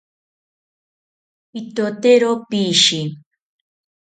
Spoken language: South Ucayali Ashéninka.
Pitotero pishi